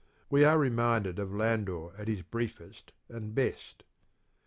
We are reminded of Landor at his briefest and best.